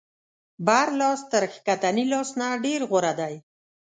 بر لاس تر ښکتني لاس نه ډېر غوره دی.